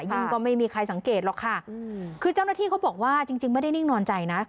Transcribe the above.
ยิ่งก็ไม่มีใครสังเกตหรอกค่ะคือเจ้าหน้าที่เขาบอกว่าจริงจริงไม่ได้นิ่งนอนใจนะ